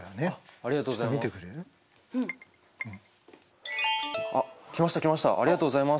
ありがとうございます。